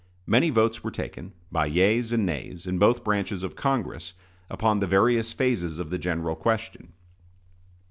Many votes were taken, by yeas and nays, in both branches of Congress, upon the various phases of the general question.